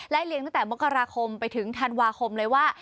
เลี้ยงตั้งแต่มกราคมไปถึงธันวาคมเลยว่า